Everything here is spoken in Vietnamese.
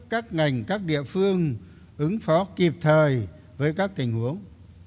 các ngành các địa phương ứng phó kịp thời với các tình huống